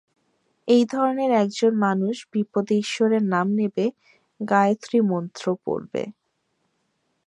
এই ধরনের একজন মানুষ বিপদে ঈশ্বরের নাম নেবে, গায়ত্রী মন্ত্র পড়বে।